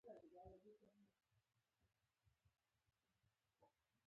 د ژبې او سمت پر ستونزو کار نه کیږي.